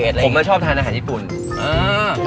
แต่ไม่รู้ว่าต้องเป็นเส้น